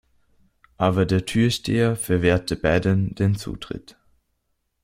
Aber der Türsteher verwehrte beiden den Zutritt.